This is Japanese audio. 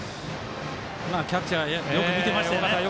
キャッチャーよく見てましたよね。